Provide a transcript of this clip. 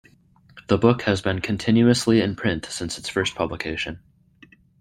The book has been continuously in print since its first publication.